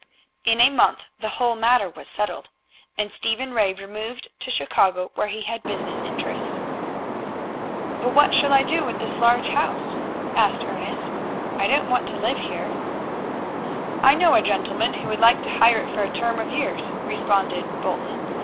In a month the whole matter was settled, and Stephen Ray removed to Chicago, where he had business interests. "But what shall I do with this large house?" asked Ernest. "I don't want to live here." "I know a gentleman who would like to hire it for a term of years," responded Bolton.